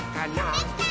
できたー！